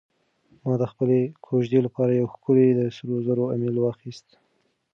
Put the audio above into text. ما د خپلې کوژدنې لپاره یو ښکلی د سرو زرو امیل واخیست.